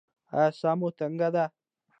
ایا ساه مو تنګه ده؟